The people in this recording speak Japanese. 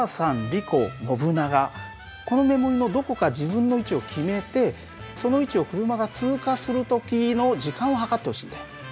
リコノブナガこの目盛りのどこか自分の位置を決めてその位置を車が通過する時の時間を計ってほしいんだ。